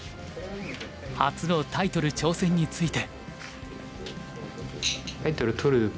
初のタイトル挑戦について。